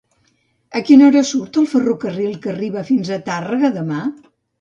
A quina hora surt el ferrocarril que arriba fins a Tàrrega demà?